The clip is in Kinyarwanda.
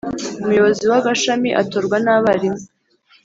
Umuyobozi w Agashami atorwa n abarimu